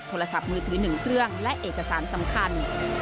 โทรศัพท์มือถือ๑เครื่องและเอกสารสำคัญ